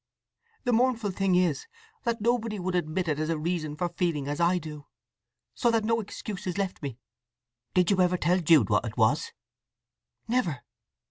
The mournful thing is, that nobody would admit it as a reason for feeling as I do; so that no excuse is left me." "Did you ever tell Jude what it was?" "Never."